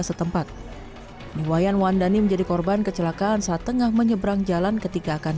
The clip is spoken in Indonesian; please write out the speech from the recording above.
setempat niwayan wandani menjadi korban kecelakaan saat tengah menyeberang jalan ketika akan